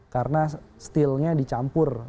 karena steel nya dicampur